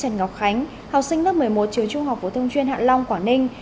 học sinh lớp một mươi một trường trung học phổ thông chuyên hạ long quảng ninh